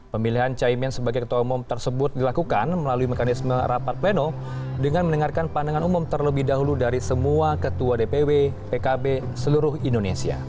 pemilihan caimin sebagai ketua umum tersebut dilakukan melalui mekanisme rapat pleno dengan mendengarkan pandangan umum terlebih dahulu dari semua ketua dpw pkb seluruh indonesia